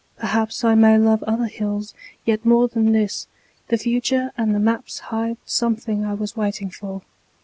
Perhaps I may love other hills yet more Than this: the future and the maps Hide something I was waiting for.